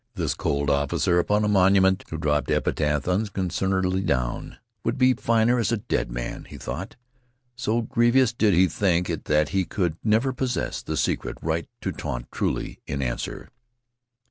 This cold officer upon a monument, who dropped epithets unconcernedly down, would be finer as a dead man, he thought. So grievous did he think it that he could never possess the secret right to taunt truly in answer.